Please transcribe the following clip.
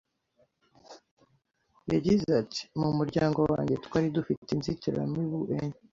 yagize ati “Mu muryango wanjye twari dufite inzitiramibu enye